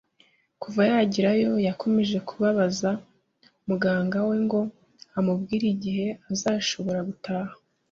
Kuva yagerayo, yakomeje kubabaza muganga we ngo amubwire igihe azashobora gutaha